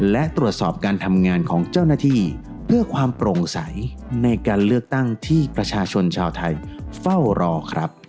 และตรวจสอบการทำงานของเจ้าหน้าที่เพื่อความโปร่งใสในการเลือกตั้งที่ประชาชนชาวไทยเฝ้ารอครับ